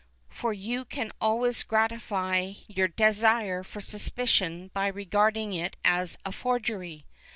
For you can always gratify your desire for suspicion by regarding it as a forgery.